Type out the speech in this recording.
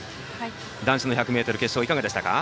男子の１００ｍ決勝いかがでしたか？